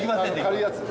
軽いやつで。